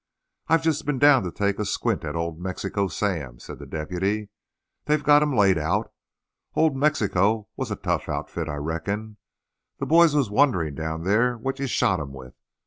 "I've just been down to take a squint at old Mexico Sam," said the deputy. "They've got him laid out. Old Mexico was a tough outfit, I reckon. The boys was wonderin' down there what you shot him with.